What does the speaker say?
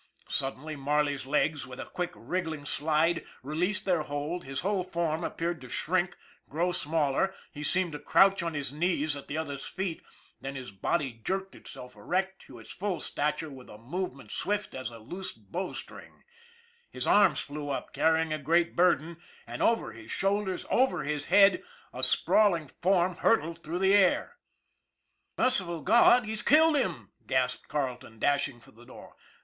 Suddenly, Marley's legs with a quick, wriggling slide, released their hold, his whole form appeared to shrink, grow smaller, he seemed to crouch on his knees at the other's feet, then his body jerked itself erect to its full stature with a movement swift as a loosed bow string, his arms flew up carrying a great burden, and over his shoulders, over his head, a sprawling form hurtled through the air. " Merciful God! He's killed him! " gasped Carle ton, dashing for the door.